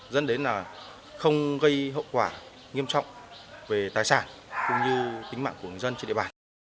dân đến là không gây hậu quả nghiêm trọng về tài sản cũng như tính mạng của người dân trên địa bàn